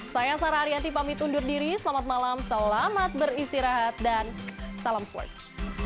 saya sarah ariyanti pamit undur diri selamat malam selamat beristirahat dan salam sports